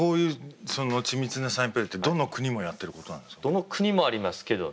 どの国もありますけどね。